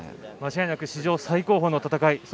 間違いなく史上最高峰の戦い。